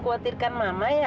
garden gak bisa seperti ni